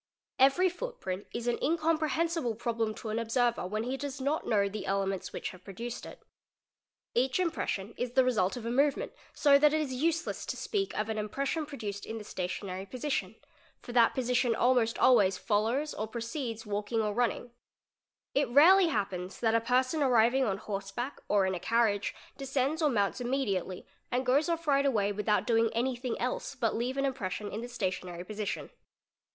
Every footprint is an incomprehensible problem to an observer whe | he does not know the elements which have produced it. Hach impression is the result of a movement, so that it is useless to speak of an impression | ORIGIN OF THE FOOTPRINT 503 produced in the stationary position; for that position almost always follows or precedes walking or running. It rarely happens that a person arriving on horse back or in a carriage descends or mounts immediately and goes off right away without doing anything else but leave an impres 'sion in the stationary position.